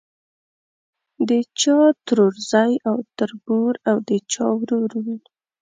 د چا ترورزی او تربور او د چا ورور وي.